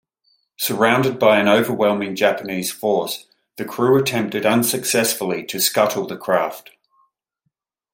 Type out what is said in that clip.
Surrounded by an overwhelming Japanese force, the crew attempted unsuccessfully to scuttle the craft.